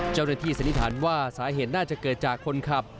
เจ้าหน้าที่สัญญาณว่าสาเหตุน่าจะเกิดจากคนขับ